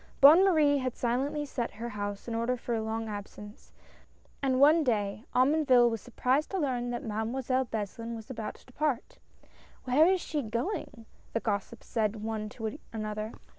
Bonne Marie had silently set her house in order for a long absence, and one day Omonville was surprised to learn that Mademoiselle Beslin was about to depart. ''Where is she going?" the gossips said, one to another.